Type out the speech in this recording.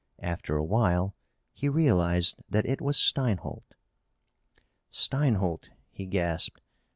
After a while he realized that it was Steinholt. "Steinholt!" he gasped.